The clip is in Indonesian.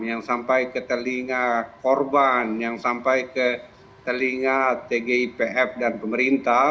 yang sampai ke telinga korban yang sampai ke telinga tgipf dan pemerintah